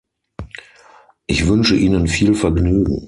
Ich wünsche Ihnen viel Vergnügen.